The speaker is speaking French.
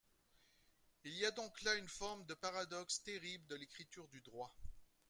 Il y a donc là une forme de paradoxe terrible de l’écriture du droit.